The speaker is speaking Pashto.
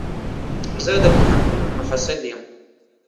زه د پوهنتون محصل يم.